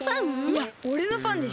いやおれのファンでしょ。